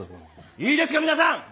「いいですか皆さん。